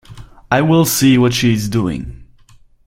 I will see what she is doing.